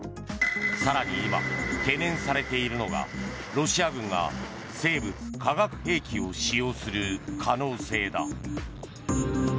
更に今、懸念されているのがロシア軍が生物・化学兵器を使用する可能性だ。